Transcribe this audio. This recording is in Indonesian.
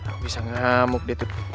aku bisa ngamuk deh tuh